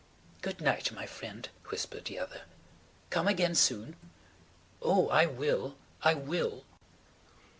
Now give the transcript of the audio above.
"Good night, my friend," whispered the other. "Come again soon." "Oh, I will. I will."